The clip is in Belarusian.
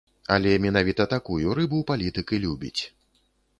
Але менавіта такую рыбу палітык і любіць.